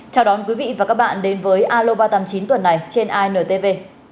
chào đón quý vị và các bạn đến với aloba tám mươi chín tuần này trên intv